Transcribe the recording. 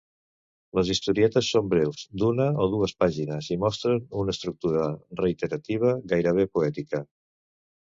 Les historietes són breus, d'una o dues pàgines i mostren una estructura reiterativa, gairebé poètica.